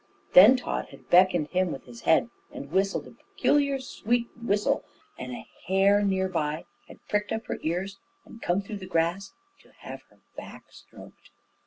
Then Tod had beckoned him with his head and whistled a peculiar sweet whistle, and a hare near by had pricked up her ears and come through the grass to have her back stroked.